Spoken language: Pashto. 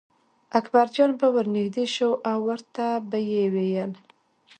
اکبرجان به ور نږدې شو او ورته به یې ویل.